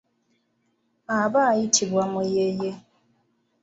Aba ayitibwa muyeeye.